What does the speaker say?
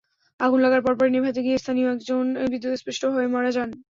আগুন লাগার পরপরই নেভাতে গিয়ে স্থানীয় একজন বিদ্যুৎস্পৃষ্ট হয়ে মারা যান।